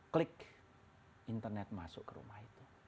klik internet masuk ke rumah itu